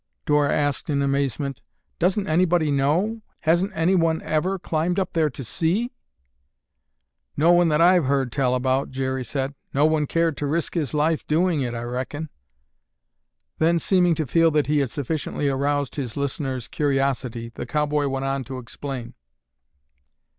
Dora asked in amazement, "Doesn't anybody know? Hasn't anyone ever climbed up there to see?" "No one that I've heard tell about," Jerry said. "No one cared to risk his life doing it, I reckon." Then, seeming to feel that he had sufficiently aroused his listeners' curiosity, the cowboy went on to explain.